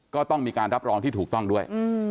ก็ต้องมีการรับรองที่ถูกต้องด้วย